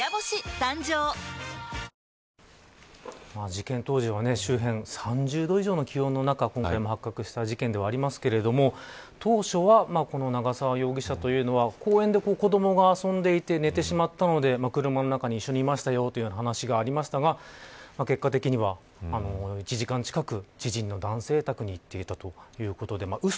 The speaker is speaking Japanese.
事件当時は周辺３０度以上の気温の中今回発覚した事件ですが当初は長沢容疑者というのは公園で子どもが遊んで寝てしまったので車の中にいたという話がありましたが結果的には１時間近く知人の男性宅に行っていたということでう